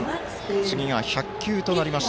次が１００球となります